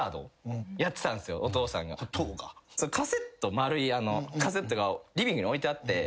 丸いカセットがリビングに置いてあって。